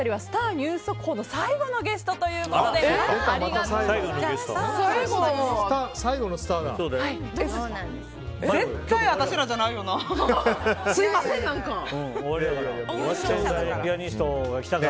ニュース速報の最後のゲストということで最後なんですか。